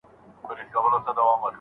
لارښود د محصل د کار کیفیت ارزوي.